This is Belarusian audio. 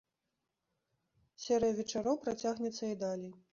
Серыя вечароў працягнецца і далей.